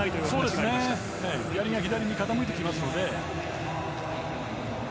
やりが左に傾いて聞いますので。